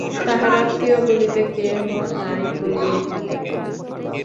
তাহার আত্মীয় বলিতে কেহ নাই বলিলেই হয়।